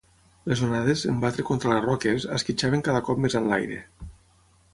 Les onades, en batre contra les roques, esquitxaven cada cop més enlaire.